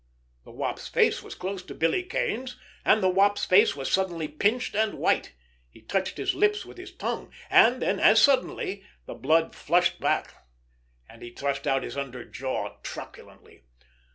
The Wop's face was close to Billy Kane's, and the Wop's face was suddenly pinched and white. He touched his lips with his tongue. And then, as suddenly, the blood flushed back, and he thrust out his under jaw truculently.